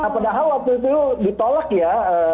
padahal waktu itu ditolak ya